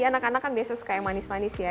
anak anak kan biasanya suka yang manis manis ya